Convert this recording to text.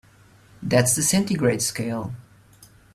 That's the centigrade scale.